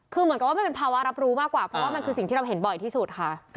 คือเหมือนกับว่ามันเป็นภาวะรับรู้มากกว่าเพราะว่ามันคือสิ่งที่เราเห็นบ่อยที่สุดค่ะ